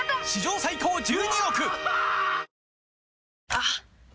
あっ！